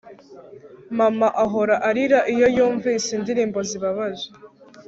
Mama ahora arira iyo yumvise indirimbo zibabaje